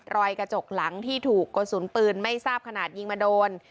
กระจกหลังที่ถูกกระสุนปืนไม่ทราบขนาดยิงมาโดน